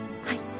はい。